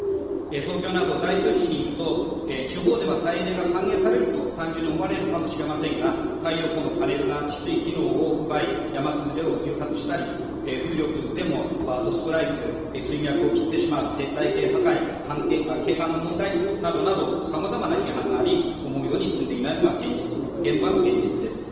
東京など大消費地にいると、地方では再エネが歓迎されると単純に思われるのかもしれませんが、太陽光のパネルが治水機能を奪い、山崩れを誘発したり、風力でもバードストライク、水脈を切ってしまう、生態系破壊、景観の問題などなど様々な批判があり、思うように進んでいないのが現場の現実です。